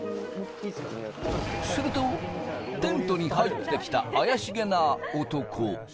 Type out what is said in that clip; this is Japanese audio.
するとテントに入ってきた怪しげな男。